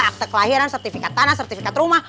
akte kelahiran sertifikat tanah sertifikat rumah